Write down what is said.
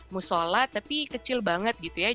musola tapi kecil banget gitu ya